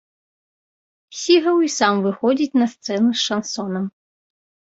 Сігаў і сам выходзіць на сцэну з шансонам.